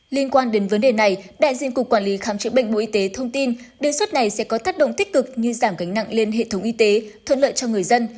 liên quan đến vấn đề này đại diện cục quản lý khám chữa bệnh bộ y tế thông tin đề xuất này sẽ có tác động tích cực như giảm gánh nặng lên hệ thống y tế thuận lợi cho người dân